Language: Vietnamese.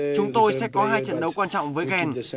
chúng tôi sẽ có hai trận đấu quan trọng với gen